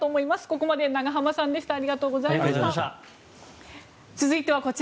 ここまで永濱さんでした。